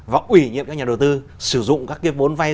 và ủy nhiệm các nhà đầu tư sử dụng các cái vốn vay